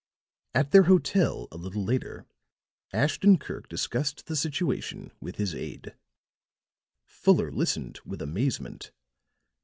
At their hotel a little later, Ashton Kirk discussed the situation with his aide. Fuller listened with amazement.